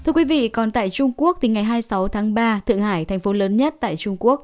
thưa quý vị còn tại trung quốc từ ngày hai mươi sáu tháng ba thượng hải thành phố lớn nhất tại trung quốc